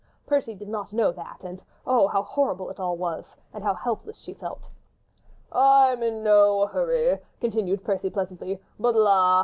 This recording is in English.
Percy did not know that and ... oh! how horrible it all was—and how helpless she felt. "I am in no hurry," continued Percy, pleasantly, "but, la!